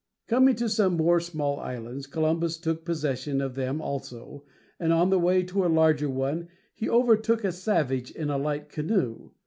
Coming to some more small islands, Columbus took possession of them also; and on the way to a larger one he overtook a savage in a light canoe.